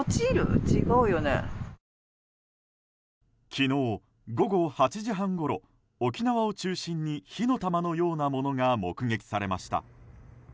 昨日午後８時半ごろ沖縄を中心に火の玉のようなものが目撃されました。